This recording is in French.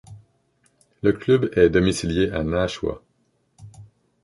Le club est domicilié à Nashua.